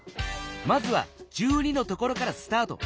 まずは１２のところからスタート。